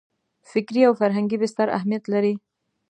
فکري او فرهنګي بستر اهمیت لري.